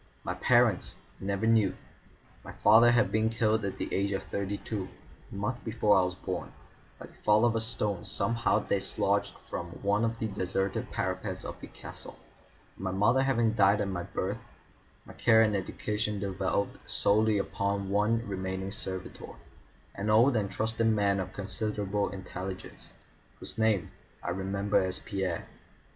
My parents I never knew. My father had been killed at the age of thirty two, a month before I was born, by the fall of a stone somehow dislodged from one of the deserted parapets of the castle, and my mother having died at my birth, my care and education devolved solely upon one remaining servitor, an old and trusted man of considerable intelligence, whose name I remember as Pierre.